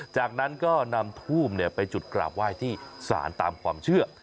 จากนั้นก็นำทูบไปจุดกราบไหว้ที่ศาลตามความเชื่อ